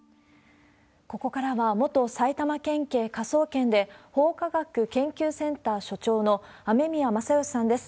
ここからは、元埼玉県警科捜研で法科学研究センター所長の雨宮正欣さんです。